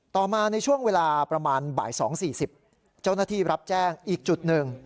ต่อมาในช่วงเวลาประมาณบ่าย๒๔๐เจ้าหน้าที่รับแจ้งอีกจุดหนึ่ง